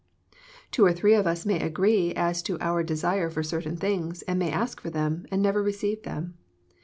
Two or three of us may agree as to our desire for certain things, and may ask for them, and never receive them.